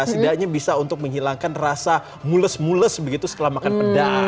setidaknya bisa untuk menghilangkan rasa mules mules begitu setelah makan pedas